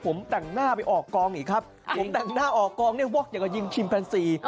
ผมแต่งหน้าออกกองเนี่ยว่ะอยากยิงชิมแพนซี่